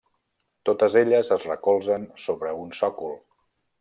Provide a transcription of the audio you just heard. Totes elles es recolzen sobre un sòcol.